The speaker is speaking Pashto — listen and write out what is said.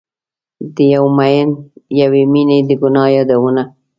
د یو میین یوې میینې د ګناه یادونه